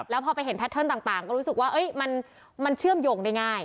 แล้วพอไปเห็นแพทเทิร์นต่างก็รู้สึกว่ามันเชื่อมโยงได้ง่าย